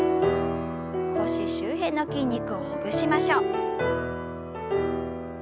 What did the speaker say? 腰周辺の筋肉をほぐしましょう。